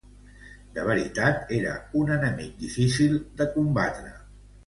De veritat, era un enemic difícil de combatre.